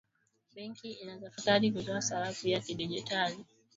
Benki inatafakari kutoa sarafu ya kidigitali